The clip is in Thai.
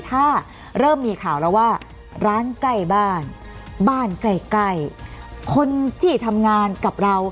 ถ้าเริ่มมีข่าวแล้วว่าร้านใกล้บ้านบ้านใกล้ใกล้คนที่ทำงานกับเรา